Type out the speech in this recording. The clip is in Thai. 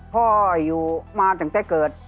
พ่ออยู่มาตั้งแต่เกิด